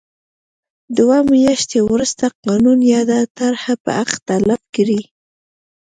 دوه میاشتې وروسته قانون یاده طرحه به حق تلف کړي.